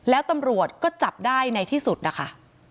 แล้วตำรวจก็จับได้ในที่สุดนะคะ